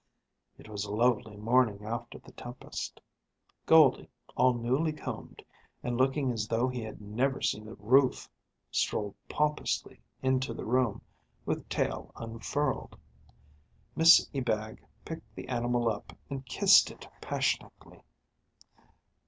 It was a lovely morning after the tempest. Goldie, all newly combed, and looking as though he had never seen a roof, strolled pompously into the room with tail unfurled. Miss Ebag picked the animal up and kissed it passionately.